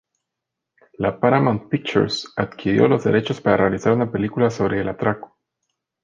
La Paramount Pictures adquirió los derechos para realizar una película sobre el atraco.